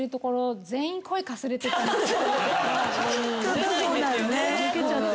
出ないんですよね。